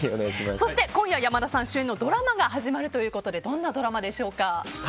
そして今夜、山田さん主演のドラマが始まるということでどんなドラマでしょうか？